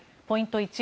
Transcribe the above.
ポイント